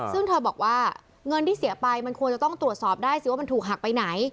ซึ่งเธอบอกว่าเงินที่เสียไปมันควรจะต้องตรวจสอบได้สิว่ามันถูกหักไปไหน